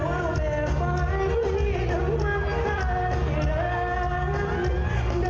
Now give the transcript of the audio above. โอ้โฮจริงเขาเหมือนจะยากสิให้ดูให้มันกลับมาให้ตา